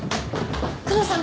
久能さん